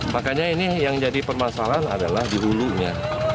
makanya ini yang jadi permasalahan adalah di hulunya